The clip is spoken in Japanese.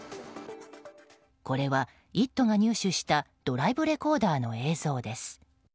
これは「イット！」が入手したドライブレコーダーの映像です。